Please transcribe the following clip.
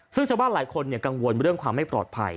ซึ่งชาวบ้านหลายคนกังวลเรื่องความไม่ปลอดภัย